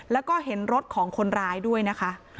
แล้วก็เห็นรถของคนร้ายด้วยนะคะ